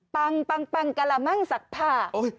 ปังปังปังกะละมังสักพา